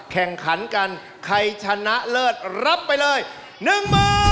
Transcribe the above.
แข่งขันกันใครชนะเลิศรับไปเลย๑หมื่น